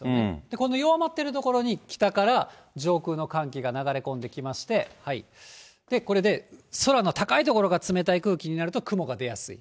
この弱まってる所に北から上空の寒気が流れ込んできまして、これで空の高い所が冷たい空気になると雲が出やすい。